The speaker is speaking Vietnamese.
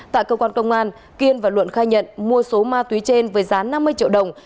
tại cơ quan công an kiên và luận khai nhận mua số ma túy trên với giá năm mươi triệu đồng